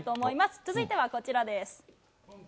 続いてはこちらです。